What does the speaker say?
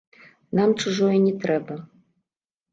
Нам чужое не трэба!